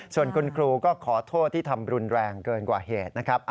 ส่วนคุณครูก็ขอโทษที่ทำรุนแรงเกินกว่าเหตุนะครับ